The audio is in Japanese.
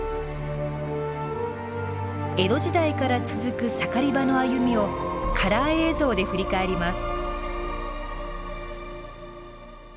江戸時代から続く盛り場の歩みをカラー映像で振り返ります。